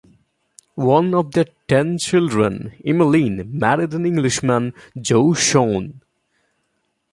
One of their ten children, Emaline, married an Englishman - Joe Shone.